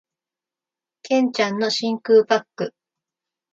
剣ちゃんの真空パック